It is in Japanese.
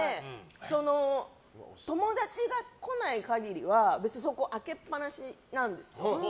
友達が来ない限りは別にそこ開けっ放しなんですけど。